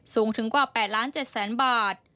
สูงถึงกว่า๘๗๐๐๐๐บาท